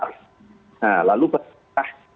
nah lalu berhentah